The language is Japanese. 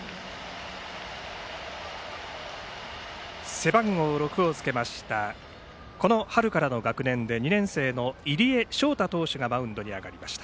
背番号６をつけましたこの春からの学年で２年生の入江祥太投手がマウンドに上がりました。